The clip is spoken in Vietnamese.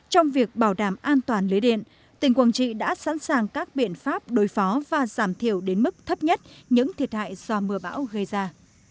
trong việc bảo đảm an toàn lưới điện tỉnh quảng trị đã sẵn sàng các biện pháp đối phó và giảm thiểu đến mức thấp nhất những thiệt hại do mưa bão gây ra